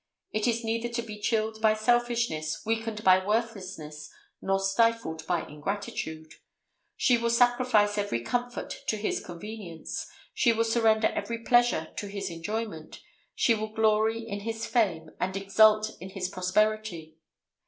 It is neither to be chilled by selfishness, weakened by worthlessness, nor stifled by ingratitude. She will sacrifice every comfort to his convenience; she will surrender every pleasure to his enjoyment; she will glory in his fame, and exult in his prosperity.